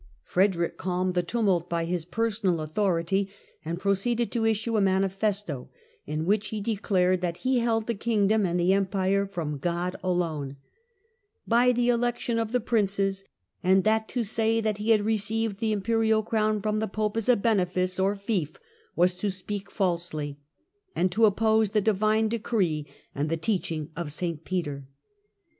" Frederick calmed the tumult by his personal authority, and proceeded to issue a manifesto, in which he declared that he held the kingdom and the Empire from God alone, " by the election of the princes," and that to say that he had received the imperial crown from the Pope as a " benefice " or fief was to speak falsely, and to oppose the divine decree and the teaching of St Peter.